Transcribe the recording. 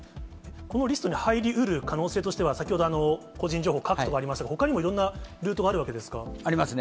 このリストに入りうる可能性として、先ほど個人情報を書くとかありましたけれども、ほかにもいろんなありますね。